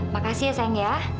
makasih ya sayang ya